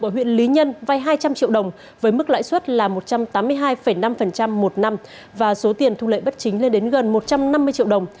huyện lý nhân vay hai trăm linh triệu đồng với mức lãi suất là một trăm tám mươi hai năm một năm và số tiền thu lợi bất chính lên đến gần một trăm năm mươi triệu đồng